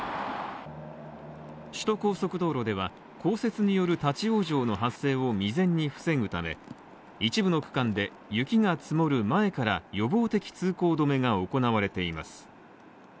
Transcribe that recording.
首都高速道路では、降雪による立往生の発生を未然に防ぐため一部の区間で雪が積もる前から予防的通行止めが行われています。